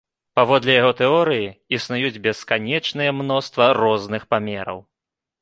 Паводле яго тэорыі, існуюць бесканечныя мноства розных памераў.